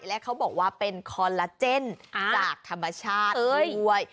และเขาบอกว่าเป็นคอลลาเจนจากธรรมชาติด้วย